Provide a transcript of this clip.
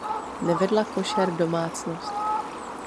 Nevedla košer domácnost.